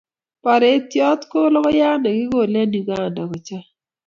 paretiot ko logoyat ni kikole eng Uganda ko chang